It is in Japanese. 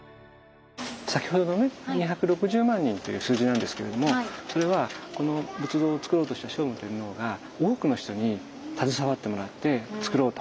先ほどのね２６０万人という数字なんですけれどもそれはこの仏像をつくろうとした聖武天皇が多くの人に携わってもらってつくろうと。